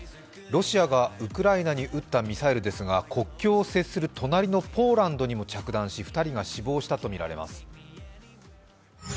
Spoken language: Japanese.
ロシアがウクライナに撃ったミサイルですが、国境を接する隣のポーランドにも着弾し、２人が死亡したとみられます。